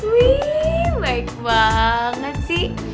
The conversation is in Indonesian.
wih baik banget sih